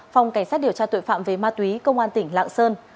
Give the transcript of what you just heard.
phòng cảnh sát điều tra tội phạm về ma túy công an tỉnh lạng sơn